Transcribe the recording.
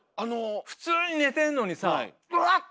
普通に寝てんのにさうわっ！